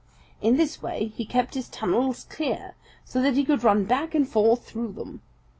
In this way he kept his tunnels clear, so that he could run back and forth through them.